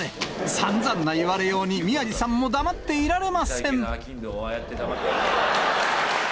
さんざんな言われように、宮治さんも黙っていられません。